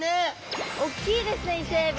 おっきいですねイセエビ。